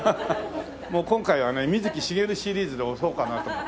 もう今回はね水木しげるシリーズで押そうかなと思って。